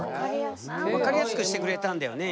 分かりやすくしてくれたんだよね